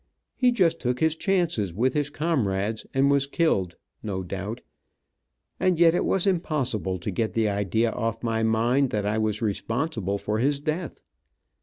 He just took his chances with his comrades, and was killed, no doubt, and yet it was impossible to get the idea off my mind that I was responsible for his death.